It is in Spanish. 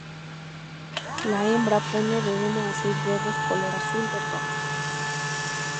La hembra pone de uno a seis huevos color azul verdoso.